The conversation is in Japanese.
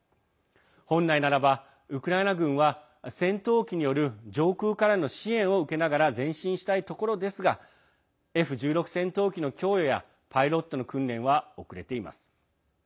本来ならば、ウクライナ軍は戦闘機による上空からの支援を受けながら前進したいところですがＦ１６戦闘機の供与やパイロットの訓練は遅れています。